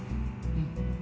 うん。